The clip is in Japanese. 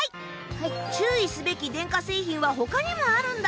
注意すべき電化製品は他にもあるんだ。